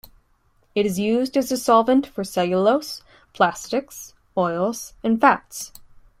It is used as a solvent for cellulose, plastics, oil and fats.